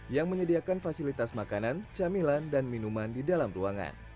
yang menyediakan fasilitas makanan camilan dan minuman di dalam ruangan